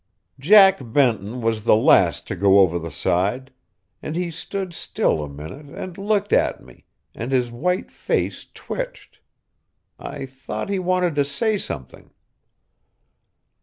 Jack Benton was the last to go over the side, and he stood still a minute and looked at me, and his white face twitched. I thought he wanted to say something.